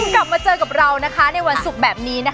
กลับมาเจอกับเราในวันศุกร์แบบนี้